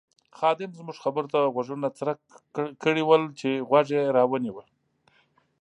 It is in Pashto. خادم زموږ خبرو ته غوږونه څرک کړي ول چې غوږ یې را ونیو.